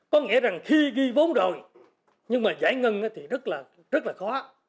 có nghĩa rằng khi ghi vốn rồi nhưng mà giải ngân thì rất là khó